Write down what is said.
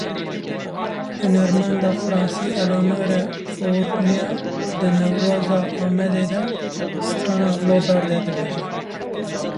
Hunermenda Fransî Eléonore Fourniau di Newroza Amedê de strana Lo Berde dibêje.